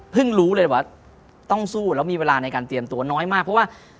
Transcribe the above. รู้เลยว่าต้องสู้แล้วมีเวลาในการเตรียมตัวน้อยมากเพราะว่า